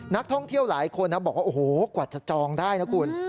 นักท่องเที่ยวหลายคนนะบอกว่าโอ้โหกว่าจะจองได้นะคุณ